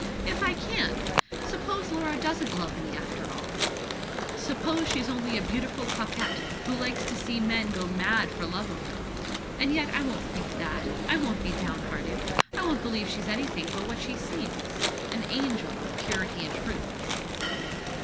If I can! Suppose Laura doesn't love me, after all. Suppose she's only a beautiful coquette, who likes to see men go mad for love of her. And yet I won't think that; I won't be down hearted; I won't believe she's anything but what she seems—an angel of purity and truth."